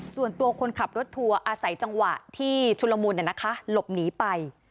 ส่วนตัวคนขับรถทัวร์อาศัยจังหวะที่ชุลมุนหลบหนีไป